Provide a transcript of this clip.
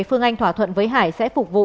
phương anh thỏa thuận với hải sẽ phục vụ